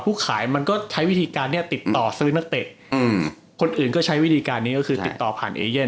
อย่างแต่เกมฟอร์มมีร่วมจากนักเตะ